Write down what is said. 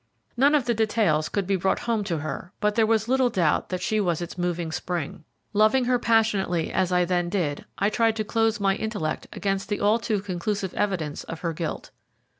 None of the details could be brought home to her, but there was little, doubt that she was its moving spring. Loving her passionately as I then did, I tried to close my intellect against the all too conclusive evidence of her guilt.